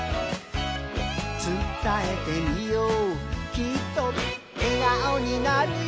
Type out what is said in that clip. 「つたえてみようきっと笑顔になるよ」